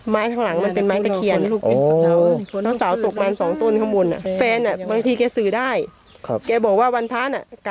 ไม้ทางหลังมันเป็นไม้กระเขียนอะ